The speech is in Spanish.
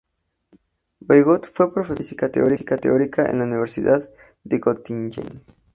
Voigt fue profesor de física teórica en la Universidad de Göttingen.